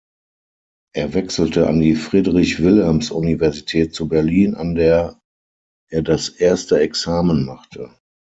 Er wechselte an die Friedrich-Wilhelms-Universität zu Berlin, an der er das Erste Examen machte.